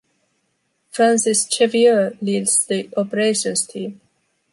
Francis Chevrier leads the operations team.